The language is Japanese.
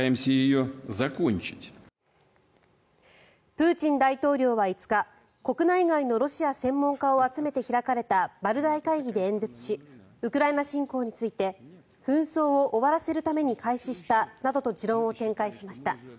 プーチン大統領は５日国内外のロシア専門家を集めて開かれたバルダイ会議で演説しウクライナ侵攻について紛争を終わらせるために開始したなどと持論を展開しました。